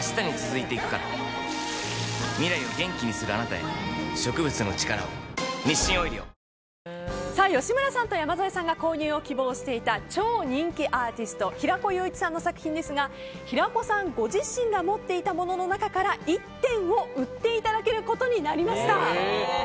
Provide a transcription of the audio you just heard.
カロカロカロカロカロリミットカロリミット吉村さんと山添さんが購入を希望していた超人気アーティスト平子雄一さんの作品ですが平子さんご自身が持っていたものの中から１点を売っていただけることになりました。